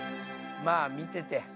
まあ見てて。